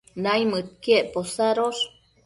naimëdquiec posadosh